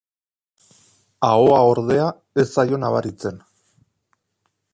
Ahoa ordea ez zaio nabaritzen.